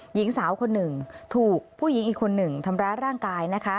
หญิงสาวคนหนึ่งถูกผู้หญิงอีกคนหนึ่งทำร้ายร่างกายนะคะ